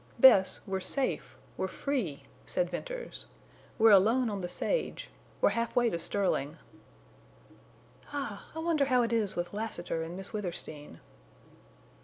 "Bess, we're safe—we're free!" said Venters. "We're alone on the sage. We're half way to Sterling." "Ah! I wonder how it is with Lassiter and Miss Withersteen."